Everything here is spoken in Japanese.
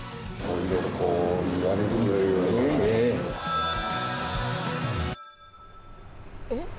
色々こう言われるんですよね・えっ